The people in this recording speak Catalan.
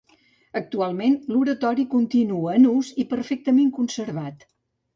Actualment, l'oratori continua en ús i perfectament conservat.